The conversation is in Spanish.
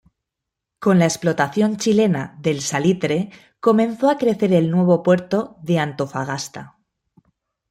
Con la explotación chilena del salitre comenzó a crecer el nuevo puerto de Antofagasta.